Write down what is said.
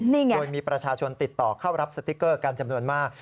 นี่ไงโดยมีประชาชนติดต่อเข้ารับสติ๊กเกอร์กันจำนวนมาก